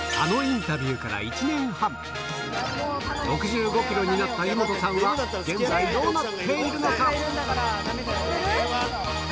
あの６５ｋｇになった湯本さんは現在どうなっているのか？